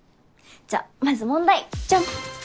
じゃあまず問題じゃん！